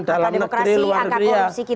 dalam negeri luar negeri